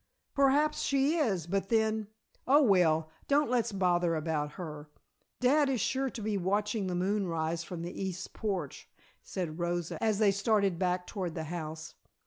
"Perhaps she is, but then oh, well, don't let's bother about her. Dad is sure to be watching the moon rise from the East porch," said Rosa, as they started back toward the house.